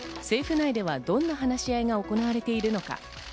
政府内ではどんな話し合いが行われているのか。